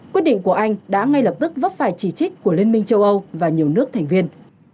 quyết định của anh đã ngay lập tức vấp phải chỉ trích của liên minh châu âu và nhiều nước thành viên